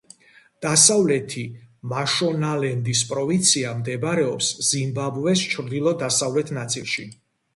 დასავლეთი მაშონალენდის პროვინცია მდებარეობს ზიმბაბვეს ჩრდილო-დასავლეთ ნაწილში.